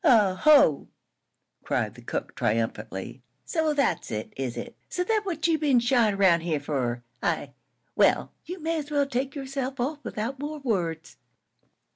"Oh ho!" cried the cook, triumphantly. "So that's it, is it? So that's what you've been shyin' round here fer, eh? Well, you may as well take yourself off without more words.